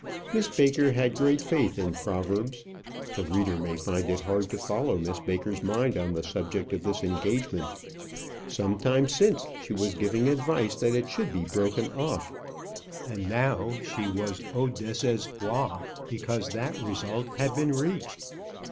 Miss Baker had great faith in proverbs. The reader may find it hard to follow Miss Baker's mind on the subject of this engagement. Some time since she was giving advice that it should be broken off, and now she was au désespoir because that result had been reached.